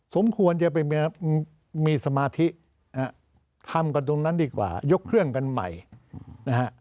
สมควรจะไปมีสมาธินะฮะทำกันตรงนั้นดีกว่ายกเครื่องกันใหม่นะฮะ